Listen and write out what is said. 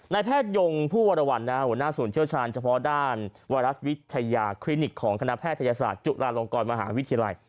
แพทยงผู้วรวรรณหัวหน้าศูนย์เชี่ยวชาญเฉพาะด้านไวรัสวิทยาคลินิกของคณะแพทยศาสตร์จุฬาลงกรมหาวิทยาลัย